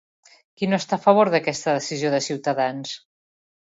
Qui no està a favor d'aquesta decisió de Ciutadans?